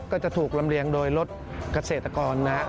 ก็จะถูกรำเรียงโดยรถเกษตรกรนะ